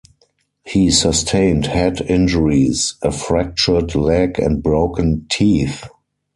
He sustained head injuries, a fractured leg and broken teeth.